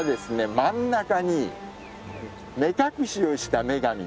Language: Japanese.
真ん中に目隠しをした女神が。